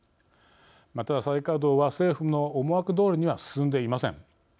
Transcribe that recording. ただ、再稼働は政府の思惑どおりには進んでいません。